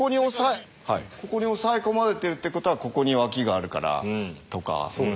ここに押さえ込まれてるってことはここに脇があるからとか。